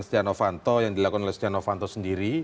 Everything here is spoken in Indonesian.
setia novanto yang dilakukan oleh setia novanto sendiri